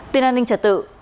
tin an ninh trật tự